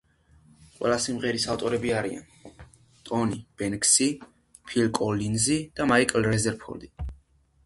ყველა სიმღერის ავტორები არიან ტონი ბენქსი, ფილ კოლინზი, მაიკ რეზერფორდი.